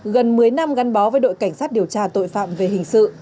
trong gắn bó với đội cảnh sát điều tra tội phạm về hình sự